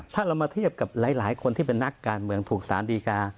ถ้าเรามาเทียบกับหลายคนที่เป็นนักการเมืองถูกสารดีกา